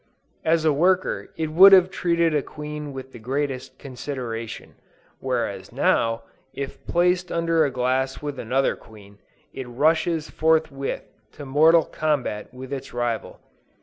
As a worker it would have treated a queen with the greatest consideration; whereas now, if placed under a glass with another queen, it rushes forthwith to mortal combat with its rival.